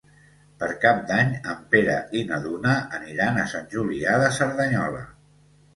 Per Cap d'Any en Pere i na Duna aniran a Sant Julià de Cerdanyola.